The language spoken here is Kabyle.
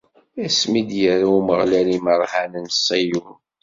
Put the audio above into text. Asmi i d-irra Umeɣlal imeṛhan n Ṣiyun.